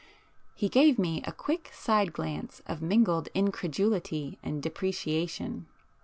He gave me a quick side glance of mingled incredulity and depreciation.